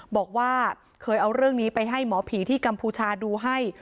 บอกว่าเคยเอาเรื่องนี้ไปให้หมอผีที่กัมพูชาดูให้